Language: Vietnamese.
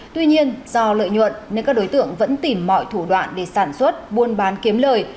tuy nhiên do lợi nhuận nên các đối tượng vẫn tìm mọi thủ đoạn để sản xuất buôn bán kiếm lời